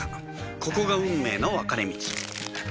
ここが運命の分かれ道